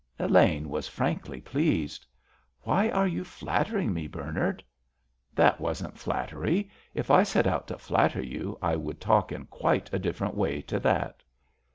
Elaine was frankly pleased. "Why are you flattering me, Bernard?" "That wasn't flattery. If I set out to flatter you, I should talk in quite a different way to that."